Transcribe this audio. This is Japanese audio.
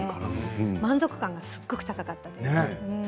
満足感がすごく高かったんです。